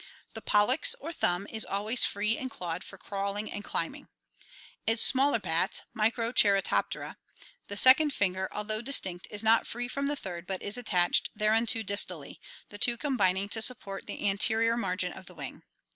The pollex or thumb is always free and clawed for crawling and climbing. In the smaller bats, Micro cheiroptera (Fig. oo, A), the second finger, although distinct, is not free from the third but is attached thereunto distally, the two combining to support the anterior margin of the wing.